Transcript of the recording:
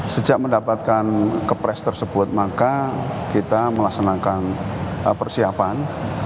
sejak mendapatkan kepres tersebut maka kita melaksanakan persiapan